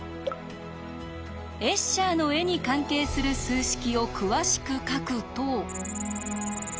エッシャーの絵に関係する数式を詳しく書くと。